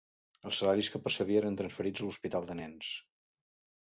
Els salaris que percebia eren transferits a l'Hospital de Nens.